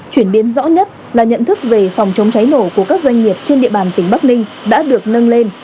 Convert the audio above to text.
chuyển biến rõ nhất là nhận thức về phòng chống cháy nổ của các doanh nghiệp trên địa bàn tỉnh bắc ninh đã được nâng lên